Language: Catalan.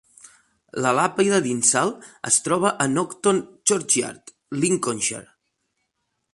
La làpida d'Insall es troba a Nocton Churchyard, Lincolnshire.